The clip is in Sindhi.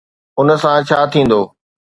ان سان ڇا ٿيندو؟